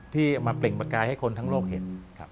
ที่มาเปลี่ยนปากกายให้คนทั้งโลกเห็น